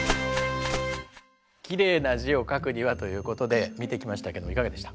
きれいな字を書くにはということで見てきましたけどいかがでした？